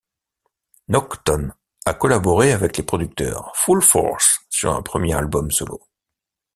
Naughton a collaboré avec les producteurs Full Force sur un premier album solo.